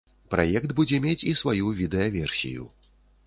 Праект будзе мець і сваю відэаверсію.